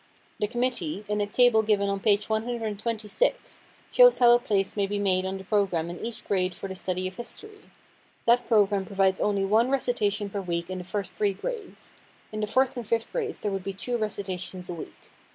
The committee, in a table given on page 126, shows how a place may be made on the program in each grade for the study of history. That program provides only one recitation per week in the first three grades. In the fourth and fifth grades there would be two recitations a week.